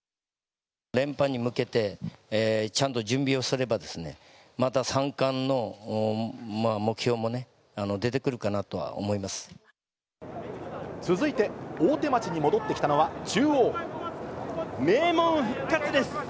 連覇に向けて、ちゃんと準備をすればですね、また三冠の目標もね、出てくるか続いて、大手町に戻ってきた名門復活です。